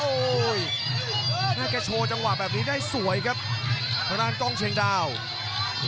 โอ้โหนักแกโชว์จังหวะแบบนี้ได้สวยครับมณานกองเชียงดาวน์